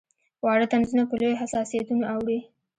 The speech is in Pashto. واړه طنزونه په لویو حساسیتونو اوړي.